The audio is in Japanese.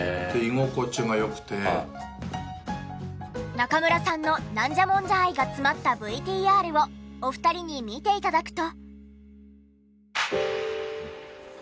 中村さんのなんじゃもんじゃ愛が詰まったＶＴＲをお二人に見て頂くと。